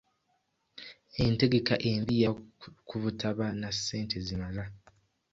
Entegeka embi yava ku butaba na ssente zimala.